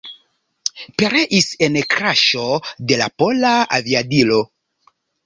Pereis en kraŝo de la pola aviadilo.